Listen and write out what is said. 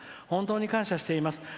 本当に感謝しています。